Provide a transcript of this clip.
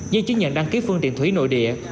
giấy chứng nhận đăng ký phương tiện thủy nội địa